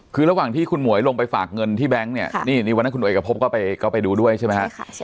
คือระหว่างที่คุณหมวยลงไปฝากเงินที่แบงค์เนี่ยนี่วันนั้นคุณเอกพบก็ไปดูด้วยใช่ไหมฮะ